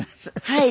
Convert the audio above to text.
はい。